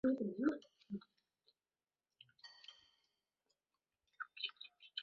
所以该译名并不准确。